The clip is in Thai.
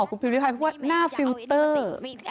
อ๋อคุณพิมพลิพายเพราะว่าหน้าฟิลเตอร์